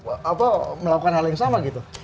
kubu petahan apa juga melakukan hal yang sama gitu